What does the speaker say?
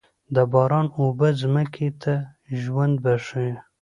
د باران اوبه ځمکې ته ژوند بښي.